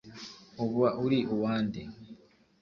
Uba uri uwande